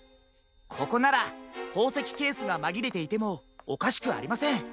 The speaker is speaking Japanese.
ここならほうせきケースがまぎれていてもおかしくありません。